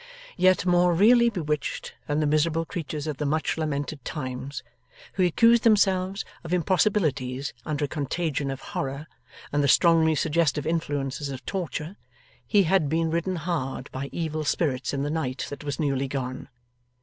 Yet more really bewitched than the miserable creatures of the much lamented times, who accused themselves of impossibilities under a contagion of horror and the strongly suggestive influences of Torture, he had been ridden hard by Evil Spirits in the night that was newly gone.